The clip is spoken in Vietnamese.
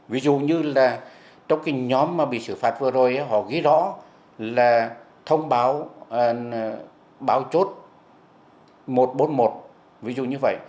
ví dụ như là trong cái nhóm mà bị xử phạt vừa rồi họ ghi rõ là thông báo báo chốt một trăm bốn mươi một ví dụ như vậy